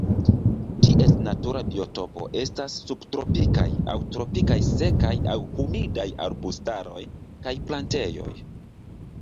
Ties natura biotopo estas subtropikaj aŭ tropikaj sekaj aŭ humidaj arbustaroj kaj plantejoj.